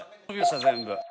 全部。